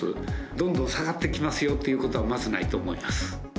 どんどん下がってきますよということは、まずないと思います。